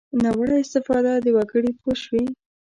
ناوړه استفاده وکړي پوه شوې!.